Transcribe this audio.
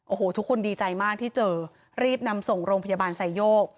โอ้โหทุกคนดีใจมากที่เจอรีบนำส่งโรงพยาบาลไซโยก